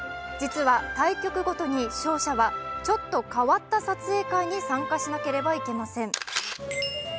実は対局ごとに勝者はちょっと変わった撮影会に参加しなければなりません。